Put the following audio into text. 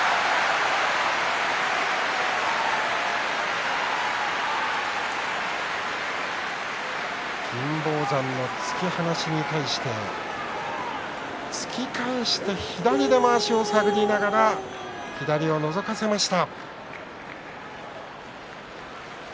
拍手金峰山の突き放しに対して突き返して左でまわしを探りながら、左をのぞかせました。